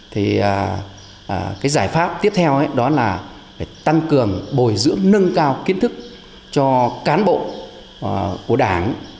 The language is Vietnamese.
thì cái giải pháp tiếp theo đó là phải tăng cường bồi dưỡng nâng cao kiến thức cho cán bộ của đảng